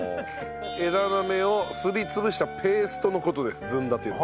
枝豆をすり潰したペーストの事ですずんだというのは。